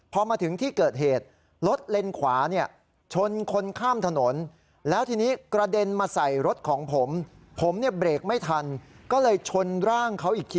พอมาถึงที่เกิดเหตุรถเลนขวาชนคนข้ามถนน